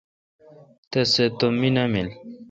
تس سہ تو مہ نالم۔